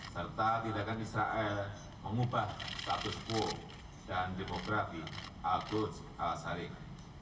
serta tindakan israel mengubah status quo dan demografi al goj al sarif